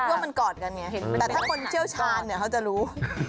คิดว่ามันกอดกันไงแต่ถ้าคนเชี่ยวชาญเขาจะรู้